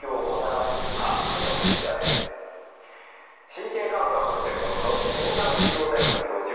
神経科学がご専門の湘南医療大学教授